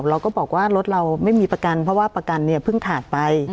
เราก็บอกว่ารถเราไม่มีประกันเพราะว่าประกันเนี่ยเพิ่งขาดไป